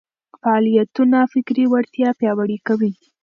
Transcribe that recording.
فعالیتونه فکري وړتیا پياوړې کوي.